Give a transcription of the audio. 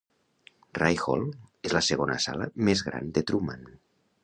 Ryle Hall és la segona sala més gran de Truman.